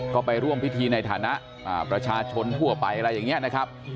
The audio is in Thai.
ก็ไปร่วมพิธีในฐานะประชาชนทั่วไปอะไรอย่างนี้นะครับ